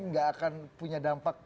nggak akan punya dampak